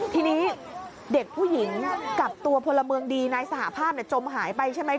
ทีนี้เด็กผู้หญิงกับตัวพลเมืองดีนายสหภาพจมหายไปใช่ไหม